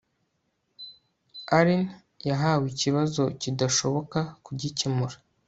Allen yahawe ikibazo kidashoboka kugikemura